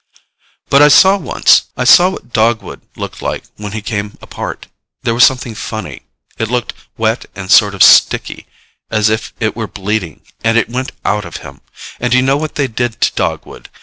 "But I saw one once. I saw what Dogwood looked like when he came apart. There was something funny. It looked wet and sort of sticky as if it were bleeding and it went out of him and you know what they did to Dogwood?